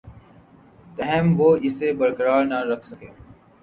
تاہم وہ اسے برقرار نہ رکھ سکے